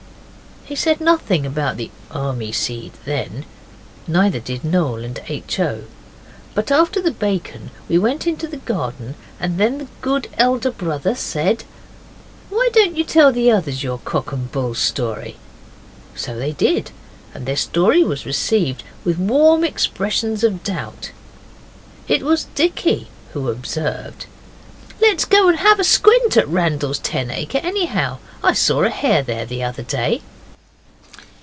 He said nothing about the army seed then, neither did Noel and H. O. But after the bacon we went into the garden, and then the good elder brother said 'Why don't you tell the others your cock and bull story?' So they did, and their story was received with warm expressions of doubt. It was Dicky who observed 'Let's go and have a squint at Randall's ten acre, anyhow. I saw a hare there the other day.